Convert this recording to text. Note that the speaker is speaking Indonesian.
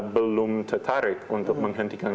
belum tertarik untuk menghentikan